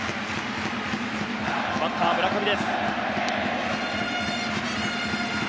バッターは村上です。